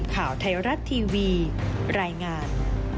ข่าวไทยรัฐทีวีรายงาน